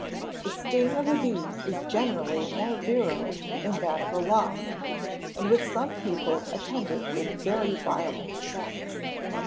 The sting of a bee is generally more virulent than that of a wasp, and with some people attended with very violent effects.